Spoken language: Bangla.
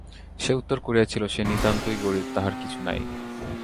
সে উত্তর করিয়াছিল, সে নিতান্তই গরিব, তাহার কিছু নাই।